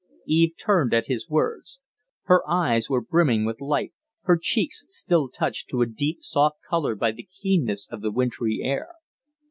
Eve turned at his words. Her eyes were brimming with life, her cheeks still touched to a deep, soft color by the keenness of the wintry air.